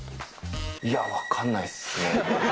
いや、分かんないっすね。